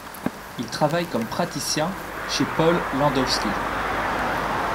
Il travaille comme praticien chez Paul Landowski.